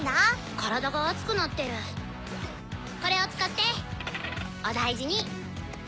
体が熱くなってるこれを使ってお大事に。